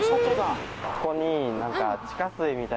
ここに。